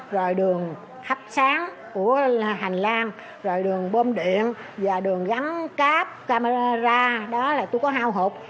rồi đường hấp sáng của hành lang rồi đường bôm điện và đường gắn cáp camera đó là tôi có hao hụt